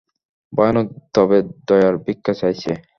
ভয়ানক তবে দয়ার ভীক্ষা চাইছে।